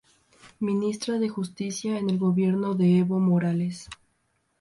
Ministra de Justicia en el gobierno de Evo Morales.